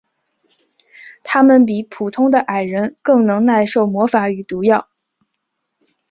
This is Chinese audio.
他们比普通的矮人更能耐受魔法与毒药。